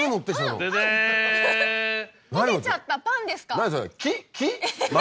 焦げちゃったパンですか？